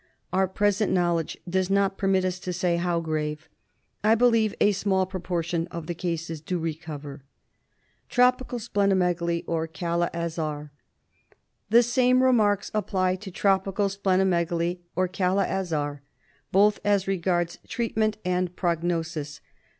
Our present knowledge does not permit us to say how grave. I believe a small proportion of the cases do recover. Tropical Spleno megaly or Kala Azar. The same remarks apply to Tropical Spleno megaly or Kala Azar, both as regards treatment and prognosis.